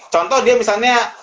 contoh dia misalnya